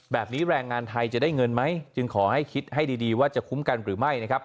แบบนี้แรงงานไทยจะได้เงินไหมจึงขอให้คิดให้ดีว่าจะคุ้มกันหรือไม่นะครับ